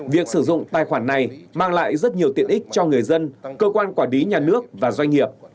việc sử dụng tài khoản này mang lại rất nhiều tiện ích cho người dân cơ quan quản lý nhà nước và doanh nghiệp